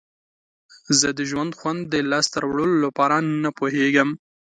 زه د ژوند خوند د لاسته راوړلو لپاره نه پوهیږم.